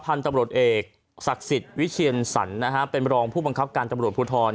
พันธุ์ตำรวจเอกศักดิ์สิทธิ์วิเชียนสรรนะฮะเป็นรองผู้บังคับการตำรวจภูทร